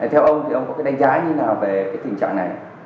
theo ông thì ông có đánh giá như thế nào về tình trạng này